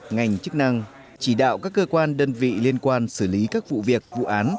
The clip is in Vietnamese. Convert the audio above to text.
ngành chức năng chỉ đạo các cơ quan đơn vị liên quan xử lý các vụ việc vụ án